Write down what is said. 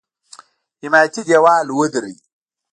حمایتي دېوال ودروي.